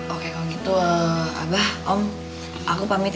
oke kalau gitu abah om aku pamit